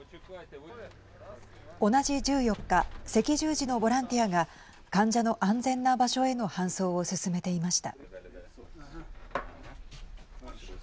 同じ１４日赤十字のボランティアが患者の安全な場所への搬送を進めていました。